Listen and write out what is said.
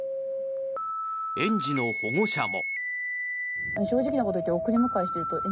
園児の保護者も。